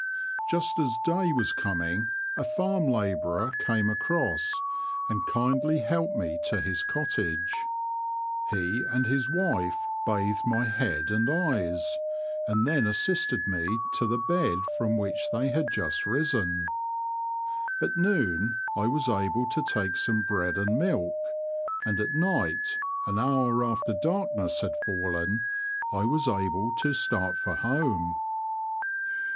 Just as day was coming a farm labourer came across, and kindly helped me to his cottage. He and his The Confessions of a Poacher. 155 wife bathed my head and eyes, and then as sisted me to the bed from which they had just risen. At noon I was able to take some bread and milk, and at night, an hour after darkness had fallen, I was able to start for home.